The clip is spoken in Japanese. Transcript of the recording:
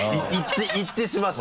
一致しました。